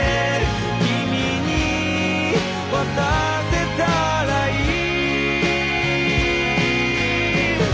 「君に渡せたらいい」